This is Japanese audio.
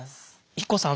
ＩＫＫＯさん